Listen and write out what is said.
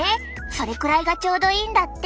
それくらいがちょうどいいんだって！